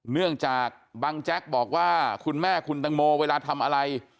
เนื่องจากบังแจ๊กบอกว่าคุณแม่คุณตังโมเวลาทำอะไร